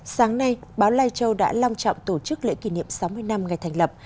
sáng nay báo lai châu đã long trọng tổ chức lễ kỷ niệm sáu mươi năm ngày thành lập